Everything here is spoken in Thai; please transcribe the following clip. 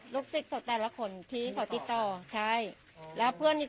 แล้วออกจากจังหวัด